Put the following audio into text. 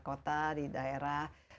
kota di daerah